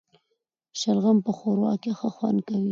شلغم په ښوروا کي ښه خوند کوي